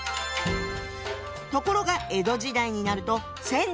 ところが江戸時代になると銭湯が登場。